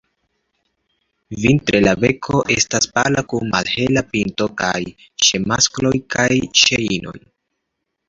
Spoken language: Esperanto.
Vintre la beko estas pala kun malhela pinto kaj ĉe maskloj kaj ĉe inoj.